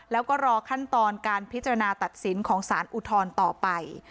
แล้วก็รอขั้นตอนการพิจารณาตัดสินของสารอุทธรณ์ต่อไป